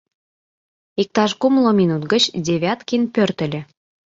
Иктаж кумло минут гыч Девяткин пӧртыльӧ.